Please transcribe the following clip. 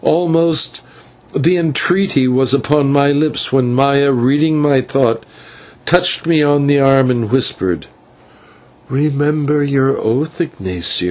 Almost the entreaty was upon my lips when Maya, reading my thought, touched me on the arm and whispered: "Remember your oath, Ignatio."